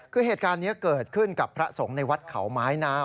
คือเหตุการณ์นี้เกิดขึ้นกับพระสงฆ์ในวัดเขาไม้นะ